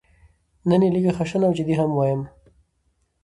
نن یې لږه خشنه او جدي هم وایم.